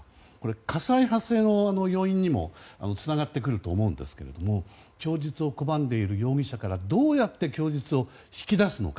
火災発生の要因にもつながってくると思うんですけど供述を拒んでいる容疑者からどうやって供述を引き出すのか。